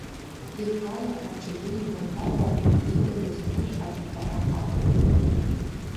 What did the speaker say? Ихала, аҽаӡәы иимырбакәа иидыруаз анышә арԥԥара акәын.